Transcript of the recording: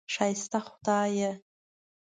ښایسته خدایه!